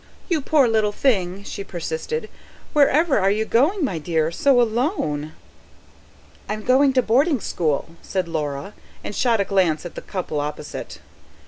"You poor little thing, you!" she persisted. "Wherever are you goin', my dear, so alone?" "I'm going to boarding school," said Laura, and shot a glance at the couple opposite.